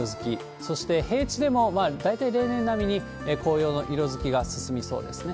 そして、平地でも大体例年並みに紅葉の色づきが進みそうですね。